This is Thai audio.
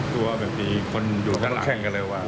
กลัวแบบมีคนอยู่ข้างหลังแข้งกันเลยว่ะ